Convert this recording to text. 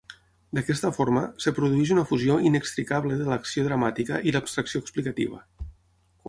D'aquesta forma, es produeix una fusió inextricable de l'acció dramàtica i l'abstracció explicativa.